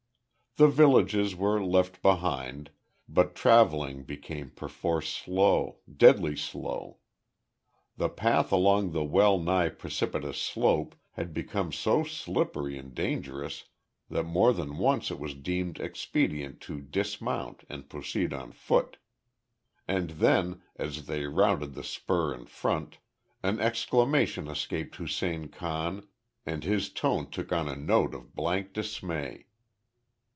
The villages were left behind, but travelling became perforce slow deadly slow. The path along the well nigh precipitous slope had become so slippery and dangerous, that more than once it was deemed expedient to dismount and proceed on foot. And then, as they rounded the spur in front, an exclamation escaped Hussein Khan and his tone took on a note of blank dismay.